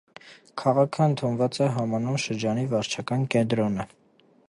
Քաղաքը ընդունուած է համանուն շրջանի վարչական կեդրոնը։